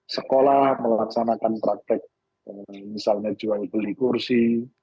sekolah melaksanakan praktek misalnya jual beli kursi